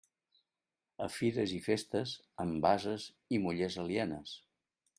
A fires i festes, amb ases i mullers alienes.